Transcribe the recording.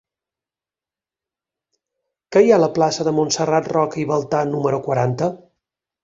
Què hi ha a la plaça de Montserrat Roca i Baltà número quaranta?